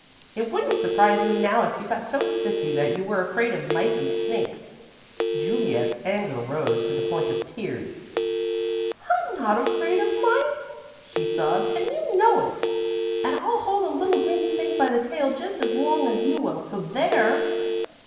It wouldn't surprise me now if you got so sissy that you were afraid of mice and snakes." Juliet's anger rose to the point of tears. "I'm not afraid of mice," she sobbed, "and you know it. And I'll hold a little green snake by the tail just as long as you will, so there!"